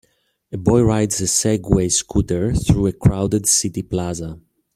A boy rides a Segway scooter through a crowded city plaza.